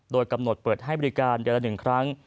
โดยกำหนดเปิดให้บริการเดือนละ๑ครั้ง